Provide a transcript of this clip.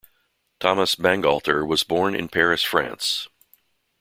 Thomas Bangalter was born in Paris, France.